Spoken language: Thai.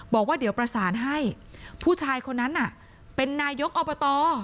บอกว่าเดี๋ยวประสานให้ผู้ชายคนนั้นน่ะเป็นนายกอบต